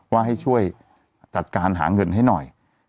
ว่าให้ช่วยจัดการหาเงินให้หน่อย